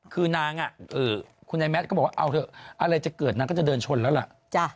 คือนางคุณนายแมทก็บอกว่าเอาเถอะอะไรจะเกิดนางก็จะเดินชนแล้วล่ะ